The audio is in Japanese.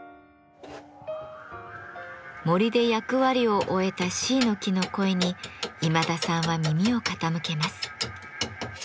森で役割を終えたシイの木の声に今田さんは耳を傾けます。